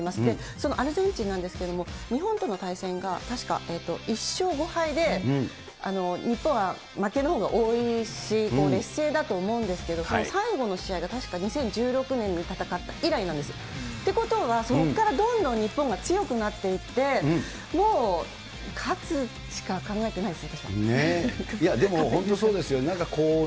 そのアルゼンチンなんですけれども、日本との対戦が確か１勝５敗で、日本は負けのほうが多いし、劣勢だと思うんですけれども、その最後の試合が、２０１６年に戦って以来なんですよ。ということは、そこからどんどん日本が強くなっていって、もう勝つしか考えてないや、でも、本当そうですよ。